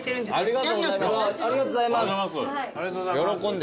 ありがとうございます。